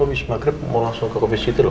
aku abis maghrib mau langsung ke office gitu loh